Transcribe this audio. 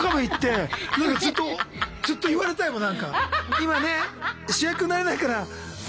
今ね主役になれないからね？